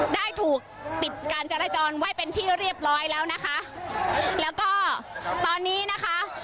ได้ถูกปิดการจราจรไว้เป็นที่เรียบร้อยแล้วนะคะแล้วก็ตอนนี้นะคะ